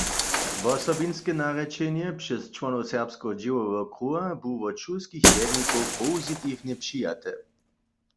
Wosobinske narěčenje přez čłonow serbskeho dźěłoweho kruha bu wot šulskich wjednikow pozitiwnje přijate.